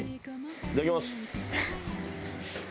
いただきます。